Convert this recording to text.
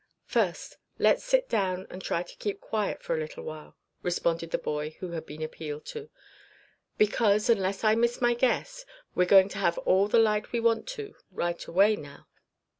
"First, let's sit down and try to keep quiet for a little while," responded the boy who had been appealed to, "because, unless I miss my guess, we're going to have all the light we want to right away now."